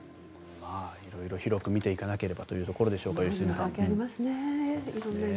色々広く見ていかなければというところでしょうか。